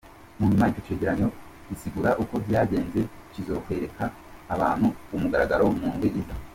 Mu nyuma, ico cegeranyo gisigura uko vyagenze kizokwerekwa abantu ku mugaragaro mu ndwi iza.